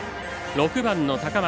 ６番の高松。